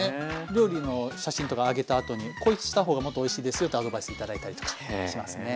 料理の写真とか上げたあとに「こうした方がもっとおいしいですよ」とアドバイス頂いたりとかねしますね。